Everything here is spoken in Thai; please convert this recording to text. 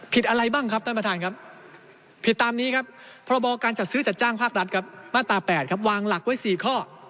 อะไรบ้างครับท่านประธานครับผิดตามนี้ครับพรบการจัดซื้อจัดจ้างภาครัฐครับมาตรา๘ครับวางหลักไว้๔ข้อ